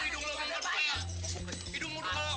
cuma buahnya doang lagi